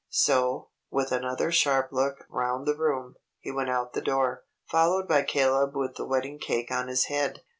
So, with another sharp look round the room, he went out the door, followed by Caleb with the wedding cake on his head.